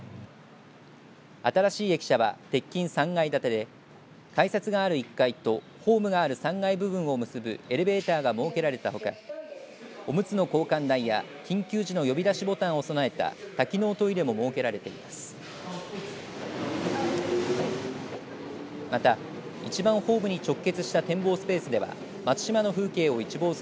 新しい駅舎は鉄筋３階建てで改札がある１階とホームがある３階部分を結ぶエレベーターが設けられたほかおむつの交換台や緊急時の呼び出しボタンを備えた多機能トイレも設けられています。